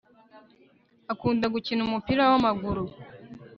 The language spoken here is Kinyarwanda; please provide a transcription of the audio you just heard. akunda gukina umupira w'amaguru